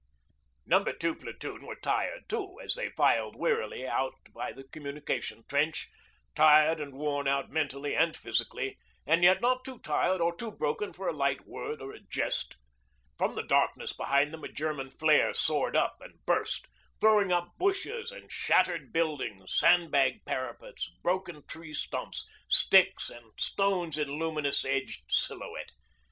No. 2 Platoon were tired too, as they filed wearily out by the communication trench, tired and worn out mentally and physically and yet not too tired or too broken for a light word or a jest. From the darkness behind them a German flare soared up and burst, throwing up bushes and shattered buildings, sandbag parapets, broken tree stumps, sticks and stones in luminous edged silhouette.